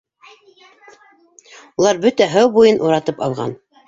Улар бөтә һыу буйын уратып алған!